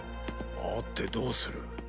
会ってどうする？